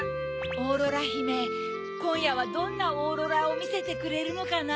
オーロラひめこんやはどんなオーロラをみせてくれるのかな？